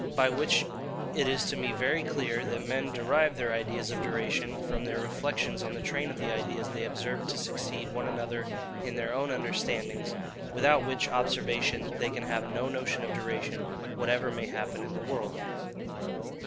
By which it is to me very clear, that men derive their ideas of duration from their reflections on the train of the ideas they observe to succeed one another in their own understandings; without which observation they can have no notion of duration, whatever may happen in the world.